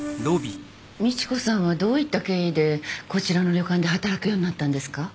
美知子さんはどういった経緯でこちらの旅館で働くようになったんですか？